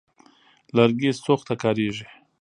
لرګي سوخت ته کارېږي.